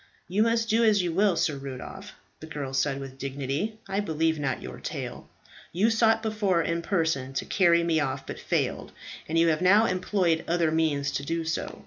"You must do as you will, Sir Rudolph," the girl said with dignity. "I believe not your tale. You sought before, in person, to carry me off, but failed, and you have now employed other means to do so.